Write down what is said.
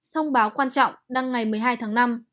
thông báo quan trọng đăng ngày một mươi hai tháng năm